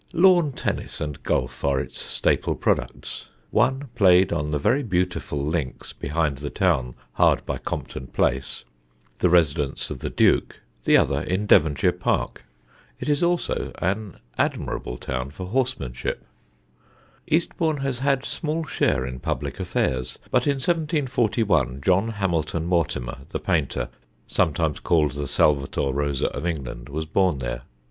Lawn tennis and golf are its staple products, one played on the very beautiful links behind the town hard by Compton Place, the residence of the Duke; the other in Devonshire Park. It is also an admirable town for horsemanship. [Sidenote: THE ENGLISH SALVATOR ROSA] Eastbourne has had small share in public affairs, but in 1741 John Hamilton Mortimer, the painter, sometimes called the Salvator Rosa of England, was born there.